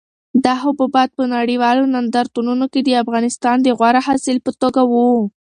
دا حبوبات په نړیوالو نندارتونونو کې د افغانستان د غوره حاصل په توګه وو.